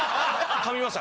噛みました。